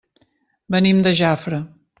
Venim de Jafre.